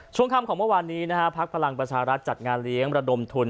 ช่วงค่ำของเมื่อวานนี้นะฮะพักพลังประชารัฐจัดงานเลี้ยงระดมทุน